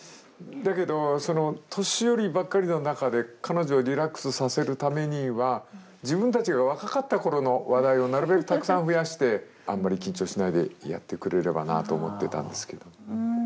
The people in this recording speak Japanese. だけどその年寄りばっかりの中で彼女をリラックスさせるためには自分たちが若かった頃の話題をなるべくたくさん増やしてあんまり緊張しないでやってくれればなあと思ってたんですけど。